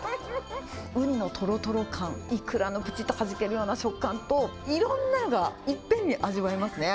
ウニのとろとろ感、イクラのぷちっとはじけるような食感と、いろんなのがいっぺんに味わえますね。